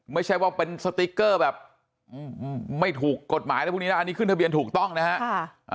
ไม่ใช่ว่าเป็นสติ๊กเกอร์แบบไม่ถูกกฎหมายอะไรพวกนี้นะอันนี้ขึ้นทะเบียนถูกต้องนะฮะ